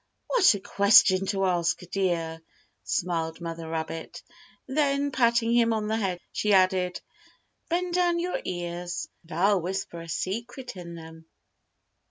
"What a question to ask, dear!" smiled mother rabbit. Then, patting him on the head, she added: "Bend down your ears, and I'll whisper a secret in them."